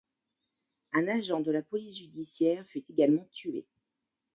Un agent de la police judiciaire fut également tué.